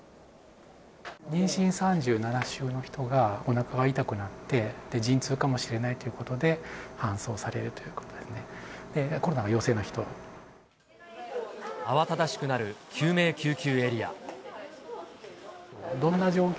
妊娠３７週の人が、おなかが痛くなって、陣痛かもしれないということで搬送されるということでね、コロナ慌ただしくなる救命救急エリどんな状況？